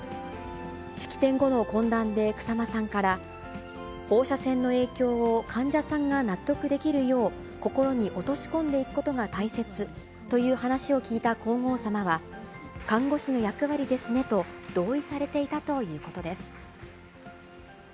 式典後の懇談で、草間さんから、放射線の影響を患者さんが納得できるよう、心に落とし込んでいくことが大切という話を聞いた皇后さまは、看護師の役割ですねと、同意されていたということです。